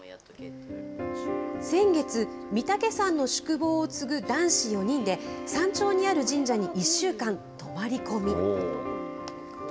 先月、御岳山の宿坊を継ぐ男子４人で、山頂にある神社に１週間、泊まり込み。